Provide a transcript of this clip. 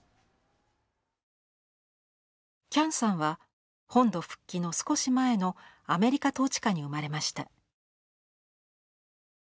喜屋武さんは本土復帰の少し前のアメリカ統治下に生まれました。